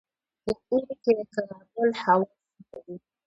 په اوړي کې د کابل هوا څنګه وي؟